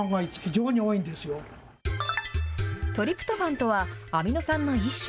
トリプトファンとは、アミノ酸の一種。